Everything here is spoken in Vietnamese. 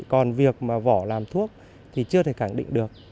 còn việc mà vỏ làm thuốc thì chưa thể khẳng định được